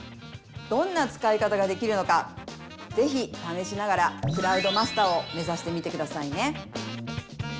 どんな使い方ができるのかぜひためしながらクラウドマスターを目指してみてくださいね。